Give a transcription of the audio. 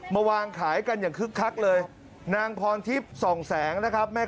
มาวางขายกันอย่างคึกคักเลยนางพรทิพย์ส่องแสงนะครับแม่